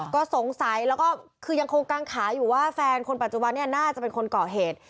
ก็สงสัยแล้วก็คือยังคงกังขาอยู่ว่าแฟนคนปัจจุบันเนี่ยน่าจะเป็นคนก่อเหตุ